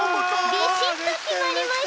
ビシッときまりましたち。